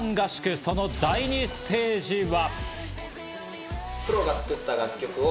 その第２ステージは。